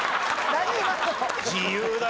自由だな。